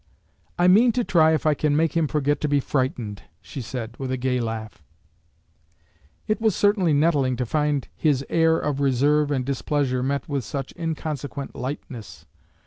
"I mean to try if I can make him forget to be frightened," she said, with a gay laugh. It was certainly nettling to find his air of reserve and displeasure met with such inconsequent lightness.